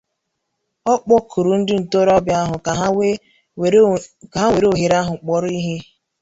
Ọ kpọkùrù ndị ntorobịa ahụ ka ha were ohere ahụ kpọrọ ihe